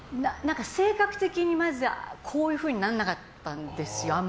性格的にまず、こういうふうにならなかったんです。